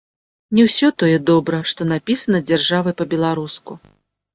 Не ўсё тое добра, што напісана дзяржавай па-беларуску.